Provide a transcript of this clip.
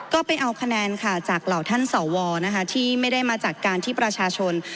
ก็ไปเอาคะแนนค่ะจากเหล่าท่านสวนะคะที่ไม่ได้มาจากการที่ประชาชน